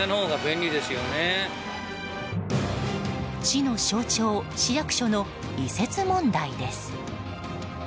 市の象徴市役所の移設問題です。